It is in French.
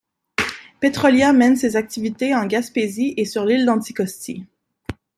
Pétrolia mène ses activités en Gaspésie et sur l'île d'Anticosti.